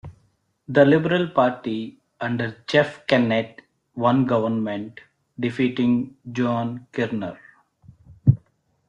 The Liberal Party, under Jeff Kennett, won government, defeating Joan Kirner.